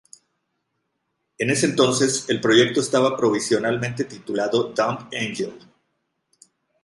En ese entonces, el proyecto estaba provisionalmente titulado "Dumb Angel".